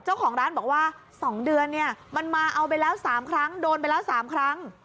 เจ้าของร้านบอกว่า๒เดือนเนี่ยมันมาเอาไปแล้ว๓ครั้งโดนไปแล้ว๓ครั้ง